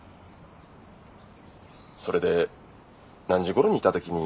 それで何時ごろに頂きに？